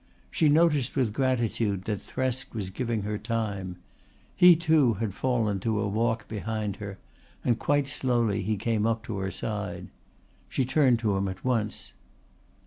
She noticed with gratitude that Thresk was giving her time. He too had fallen to a walk behind her, and quite slowly he came to her side. She turned to him at once.